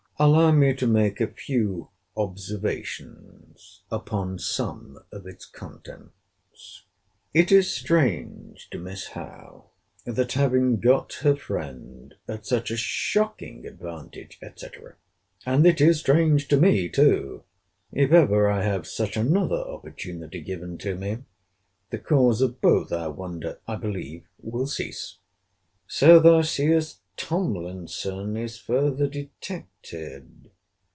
Allow me to make a few observations upon some of its contents. It is strange to Miss Howe, that having got her friend at such a shocking advantage, &c. And it is strange to me, too. If ever I have such another opportunity given to me, the cause of both our wonder, I believe, will cease. So thou seest Tomlinson is further detected.